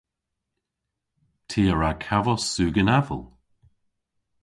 Ty a wra kavos sugen aval.